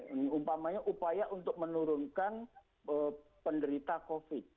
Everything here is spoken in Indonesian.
umpamanya upaya untuk menurunkan penderitaan covid sembilan belas